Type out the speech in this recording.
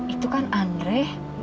itu kan andre